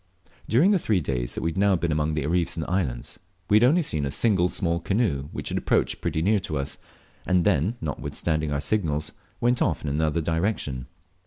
During the three days we had now been among the reefs and islands, we had only seen a single small canoe, which had approached pretty near to us, and then, notwithstanding our signals, went off in another direction.